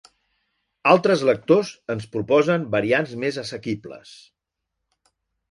Altres lectors ens proposen variants més assequibles.